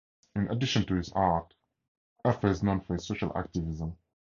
In addition to his art, Ufer is known for his social activism.